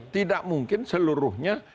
tidak mungkin seluruhnya